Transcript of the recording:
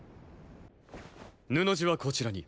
布地はこちらに。